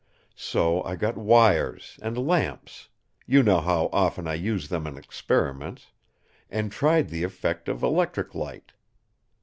So I got wires and lamps—you know how often I use them in experiments—and tried the effect of electric light.